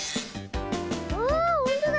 あほんとだ！